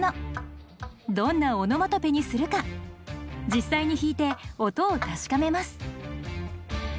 どんなオノマトペにするか実際に弾いて音を確かめます。